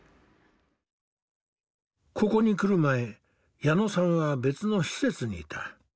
ここに来る前矢野さんは別の施設にいた。